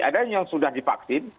ada yang sudah divaksin